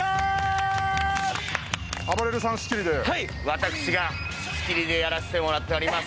私が仕切りでやらせてもらってます。